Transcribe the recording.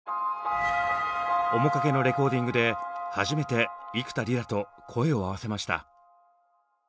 「おもかげ」のレコーディングで初めて幾田りらと声を合わせました。